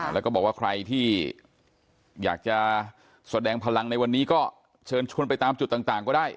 แล้วก็บอกว่าใครที่อยากจะแสดงพลังในวันนี้ก็เชิญชวนไปตามจุดต่างก็ได้